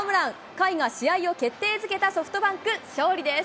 甲斐が試合を決定づけたソフトバンク、勝利です。